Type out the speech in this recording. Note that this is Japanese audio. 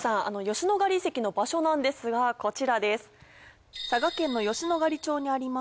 吉野ヶ里遺跡の場所なんですがこちらです。